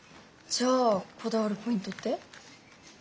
じゃあこだわるポイントって？